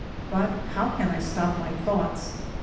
But how can I stop my thoughts